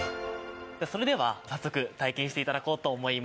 それでは早速体験して頂こうと思います。